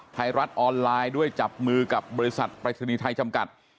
ไทยรัฐออนไลน์ด้วยจับมือกับบริษัทปรายศนีย์ไทยจำกัด